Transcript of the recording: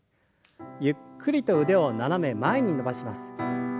ゆっくりと腕を斜め前に伸ばします。